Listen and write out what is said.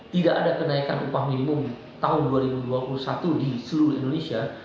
tidak ada kenaikan upah minimum tahun dua ribu dua puluh satu di seluruh indonesia